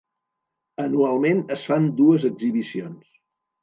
Anualment es fan dues exhibicions.